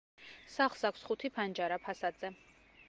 სახლს აქვს ხუთი ფანჯარა ფასადზე.